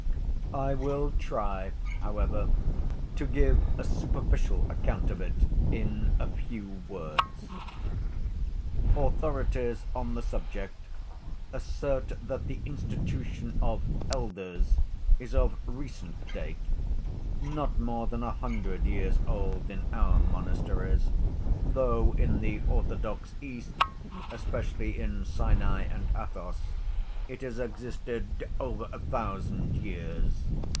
I will try, however, to give a superficial account of it in a few words. Authorities on the subject assert that the institution of "elders" is of recent date, not more than a hundred years old in our monasteries, though in the orthodox East, especially in Sinai and Athos, it has existed over a thousand years.